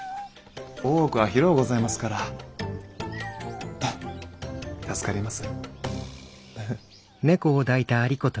大奥は広うございますから助かります。